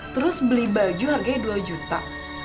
terus beli baju harganya dua juta